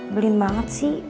belin banget sih